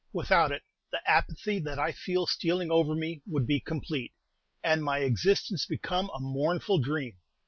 Without it, the apathy that I feel stealing over me would be complete, and my existence become a mournful dream.